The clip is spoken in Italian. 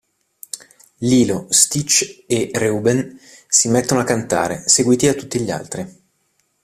Lilo, Stitch e Reuben si mettono a cantare, seguiti da tutti gli altri.